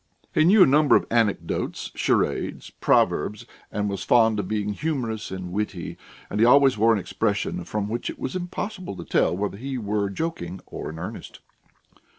He knew a number of anecdotes, charades, proverbs, and was fond of being humorous and witty, and he always wore an expression from which it was impossible to tell whether he were joking or in earnest.